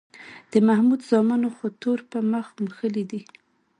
د محمود زامنو خو تور په مخ موښلی دی